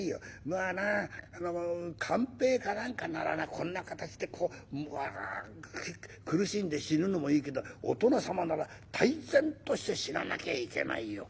まあな勘平か何かならなこんな形して苦しんで死ぬのもいいけどお殿様なら泰然として死ななきゃいけないよ。